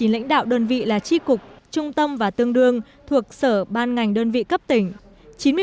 một mươi lãnh đạo đơn vị là tri cục trung tâm và tương đương thuộc sở ban ngành đơn vị cấp tỉnh